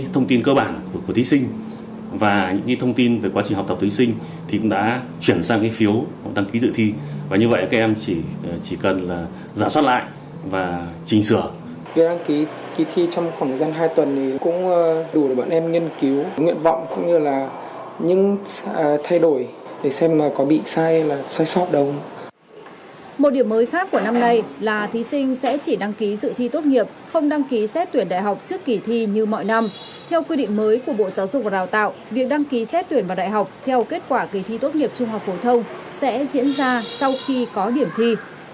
thí sinh sẽ đăng ký dự thi tốt nghiệp không đăng ký xét tuyển đại học trước kỳ thi như mọi năm theo quy định mới của bộ giáo dục và đào tạo việc đăng ký xét tuyển vào đại học theo kết quả kỳ thi tốt nghiệp trung học phổ thông sẽ diễn ra sau khi có điểm thi